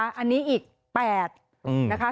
อันนี้อีก๘นะคะ